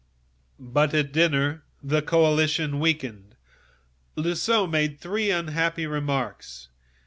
But at dinner the coalition weakened. Loiseau made three unfortunate remarks.